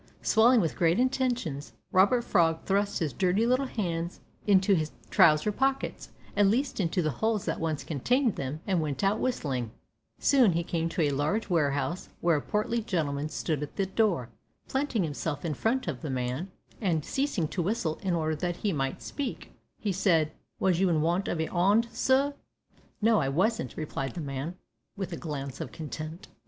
Swelling with great intentions, Robert Frog thrust his dirty little hands into his trouser pockets at least into the holes that once contained them and went out whistling. Soon he came to a large warehouse, where a portly gentleman stood at the door. Planting himself in front of this man, and ceasing to whistle in order that he might speak, he said: "Was you in want of a 'and, sir?" "No, I wasn't," replied the man, with a glance of contempt.